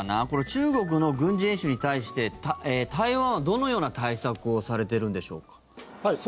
中国の軍事演習に対して台湾はどのような対策をされているんでしょうか。